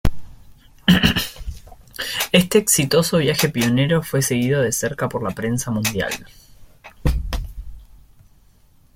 Este exitoso viaje pionero fue seguido de cerca por la prensa mundial.